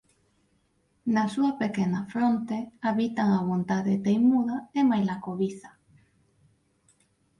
Na súa pequena fronte habitan a vontade teimuda e maila cobiza.